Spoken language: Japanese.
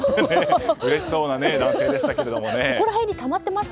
うれしそうな男性でしたね。